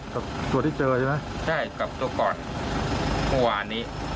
ตัวที่เจอใช่ไหมใช่กับตัวก่อนเมื่อวานนี้